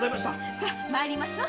さ参りましょう。